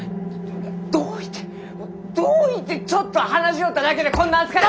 どういてどういてちょっと話しよっただけでこんな扱いを！